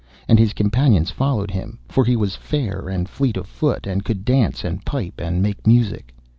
And his companions followed him, for he was fair, and fleet of foot, and could dance, and pipe, and make music.